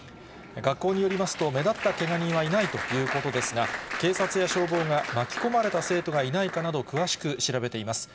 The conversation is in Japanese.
学校によりますと、目立ったけが人はいないということですが、警察や消防が巻き込まれた生徒がいないかなど、詳しく調べています。